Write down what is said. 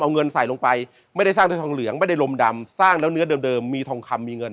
เอาเงินใส่ลงไปไม่ได้สร้างด้วยทองเหลืองไม่ได้ลมดำสร้างแล้วเนื้อเดิม